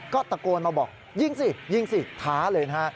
ก็ตะโกนมาบอกยิงสิท้าเลย